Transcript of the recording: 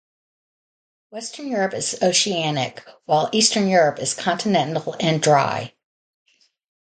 Western Europe is oceanic, while eastern Europe is continental and dry.